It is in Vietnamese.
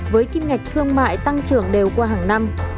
với kim ngạch thương mại tăng trưởng đều qua hàng năm